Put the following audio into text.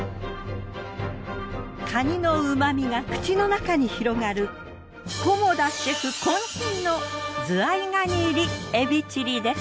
カニのうまみが口の中に広がる菰田シェフ渾身のズワイ蟹入りエビチリです。